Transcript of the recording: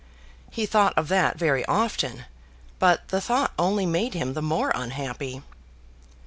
He thought of that very often, but the thought only made him the more unhappy.